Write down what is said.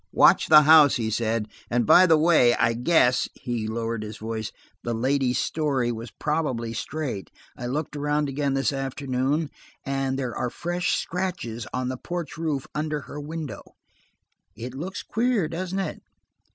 "Watch the house," he said. "And by the way, I guess"–he lowered his voice–"the lady's story was probably straight. I looked around again this afternoon, and there are fresh scratches on the porch roof under her window. It looks queer, doesn't it?"